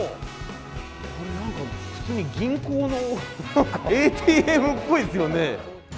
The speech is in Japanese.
これ、なんか普通に銀行のＡＴＭっぽいですよね。